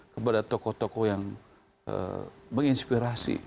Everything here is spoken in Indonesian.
kepada tokoh tokoh yang menginspirasi